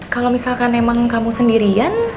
kalau misalkan emang kamu sendirian